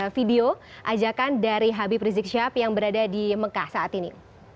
video ajakan dari habib rizik syihab yang berada di mekah saat ini